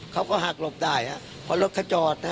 เขาก็หักหลบได้เพราะรถเขาจอด